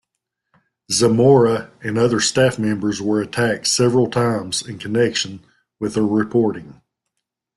Zamora and other staff members were attacked several times in connection with their reporting.